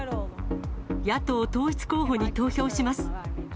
野党統一候補に投票します。